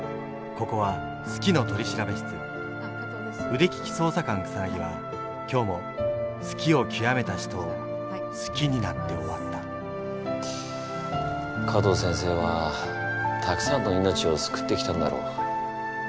腕利き捜査官草は今日も好きをきわめた人を好きになって終わった加藤先生はたくさんの命を救ってきたんだろう。